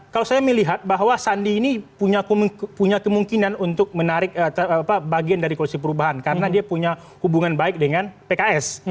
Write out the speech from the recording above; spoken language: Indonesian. kalau saya melihat bahwa sandi ini punya kemungkinan untuk menarik bagian dari koalisi perubahan karena dia punya hubungan baik dengan pks